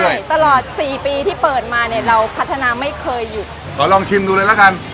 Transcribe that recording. ใช่ตลอดสี่ปีที่เปิดมาเนี่ยเราพัฒนาไม่เคยหยุดขอลองชิมดูเลยละกัน